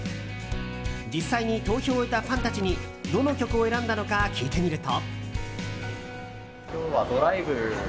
実際に投票を終えたファンたちにどの曲を選んだのか聞いてみると。